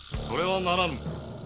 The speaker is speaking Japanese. それはならぬ。